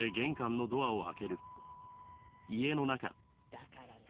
だからね